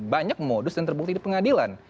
banyak modus dan terbukti di pengadilan